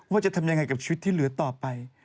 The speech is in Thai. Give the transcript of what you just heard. ว่าจะทำยังไงกับชีวิตที่เหลือต่อไป